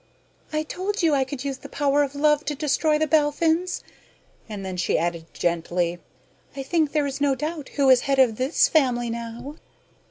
"I told you I could use the power of love to destroy the Belphins!" And then she added gently: "I think there is no doubt who is head of 'this family' now."